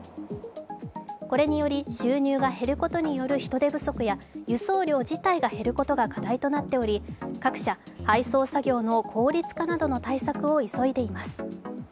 これにより収入か減ることによる人手不足や輸送量自体が減ることが課題となっており各社、配送作業の効率化などの対策を急いでいます。